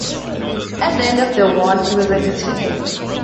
At the end of the war he was a lieutenant.